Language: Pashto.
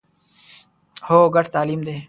هو، ګډ تعلیم دی